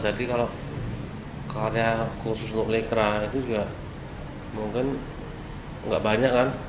jadi kalau karya khusus untuk lekra itu juga mungkin enggak banyak kan